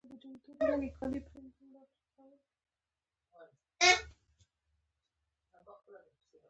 سیلانی ځایونه د افغانستان د اقلیم ځانګړتیا ده.